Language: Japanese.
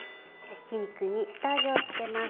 ひき肉に下味をつけます。